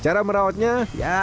cara merawatnya ya sama sih